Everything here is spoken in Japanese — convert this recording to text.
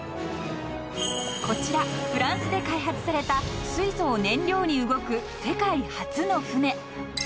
［こちらフランスで開発された水素を燃料に動く世界初の船］